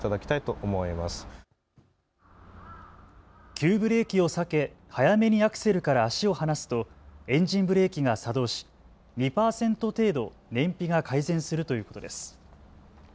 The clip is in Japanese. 急ブレーキを避け、早めにアクセルから足を離すとエンジンブレーキが作動し２％程度燃費が改善するということです。